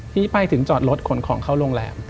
ที่ไปถึงจอดรถขนของเข้าโรงแรม